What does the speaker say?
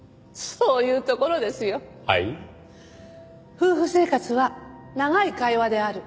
「夫婦生活は長い会話である」。